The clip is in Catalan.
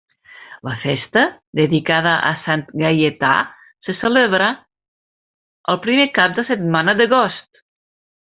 La festa, dedicada a Sant Gaietà, se celebra el primer cap de setmana d'agost.